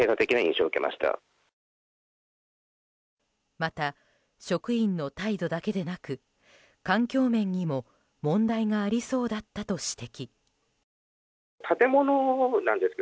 また職員の態度だけでなく環境面にも問題がありそうだったと指摘。